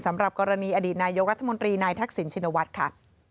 สำหรับกรณีอดีตนายกรัฐมนตรีนายทักษิณชินวัฒน์ค่ะ